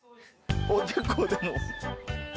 結構でも。